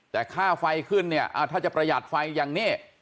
แต่ค่าไฟขึ้นเนี่ยถ้าจะประหยัดไฟอย่างนี้